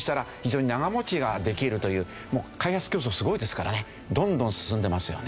開発競争すごいですからねどんどん進んでますよね。